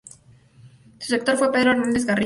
Su rector fue Pedro Hernández Garrido.